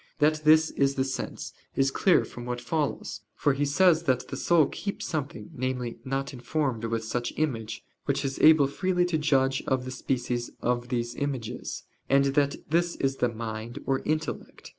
That this is the sense, is clear from what follows. For he says that the soul "keeps something" namely, not informed with such image "which is able freely to judge of the species of these images": and that this is the "mind" or "intellect."